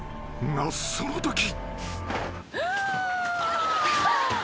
［がそのとき］